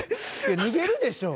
脱げるでしょう。